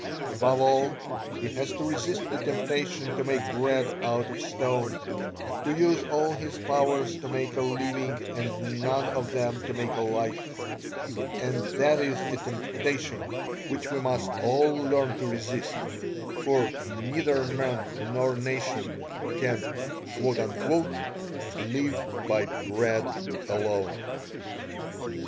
Above all, he has to resist the temptation to make bread out of stone, to use all his powers to make a living and none of them to make a life; and that is a temptation which we must all learn to resist, for neither men nor nations can "live by bread alone."